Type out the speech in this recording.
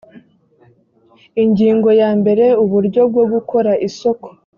ingingo ya mbere uburyo bwo gukora isoko